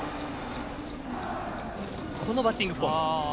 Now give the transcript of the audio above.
このバッティングフォーム。